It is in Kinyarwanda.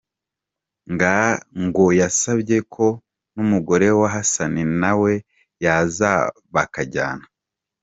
Ngo yasabye ko n’umugore wa Hassan na we yaza bakajyana.